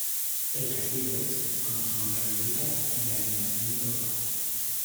El castigo es, como su nombre lo indica, la eliminación del programa.